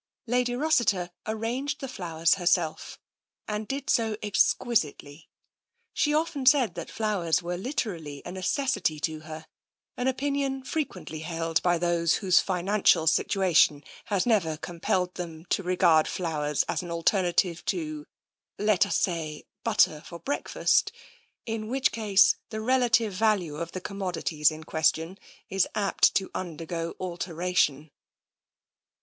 Lady Rossiter arranged the flowers herself, and did 34 TENSION so exquisitely. She often said that flowers were liter ally a necessity to her — an opinion frequently held by those whose financial situation has never compelled them to regard flowers as an alternative to, let us say, butter for breakfast, in which case the relative value of the commodities in question is apt to undergo alter ation.